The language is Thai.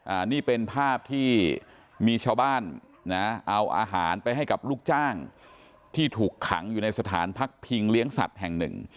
อันนี้เป็นภาพที่มีชาวบ้านนะเอาอาหารไปให้กับลูกจ้างที่ถูกขังอยู่ในสถานพักพิงเลี้ยงสัตว์แห่งหนึ่ง